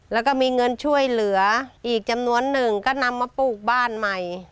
แล้วก็มีเงินช่วยเหลืออีกจำนวนหนึ่งก็นำมาปลูกบ้านใหม่